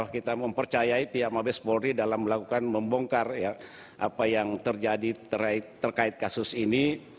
kita mempercayai pihak mabes polri dalam melakukan membongkar apa yang terjadi terkait kasus ini